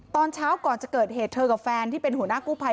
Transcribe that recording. ตอนเช้าก่อนจะเกิดเหตุเธอกับแฟนที่เป็นหัวหน้ากู้ภัย